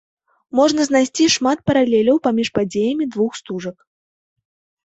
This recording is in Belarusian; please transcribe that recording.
Можна знайсці шмат паралеляў паміж падзеямі двух стужак.